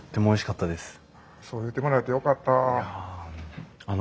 そう言ってもらえてよかったあ。